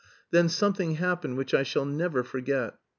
Then something happened which I shall never forget.